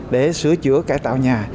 để sửa chữa cải tạo nhà